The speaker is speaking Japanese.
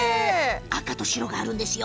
赤と白があるんですよ